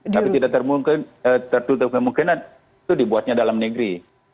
tapi tidak tertutup kemungkinan itu dibuatnya dalam negeri